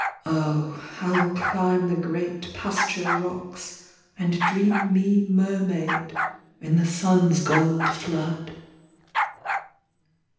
Oh, I ll Climb the great pasture rocks And dream me mermaid in the sun s Gold flood.